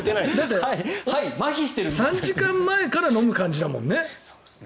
だって、３時間前から飲む感じだもんね。